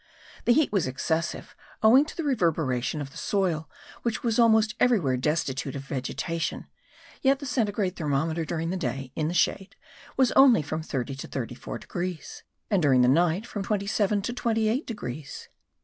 The heat was excessive, owing to the reverberation of the soil, which was almost everywhere destitute of vegetation; yet the centigrade thermometer during the day (in the shade) was only from thirty to thirty four degrees, and during the night, from twenty seven to twenty eight degrees.